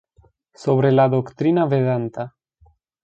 Sobre la doctrina vedanta